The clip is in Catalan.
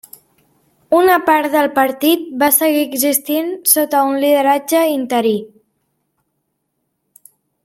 Una part del partit va seguir existint sota un lideratge interí.